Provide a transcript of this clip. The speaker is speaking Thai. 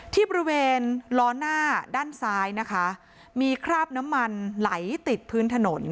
ที่บริเวณล้อหน้าด้านซ้ายนะคะมีคราบน้ำมันไหลติดพื้นถนน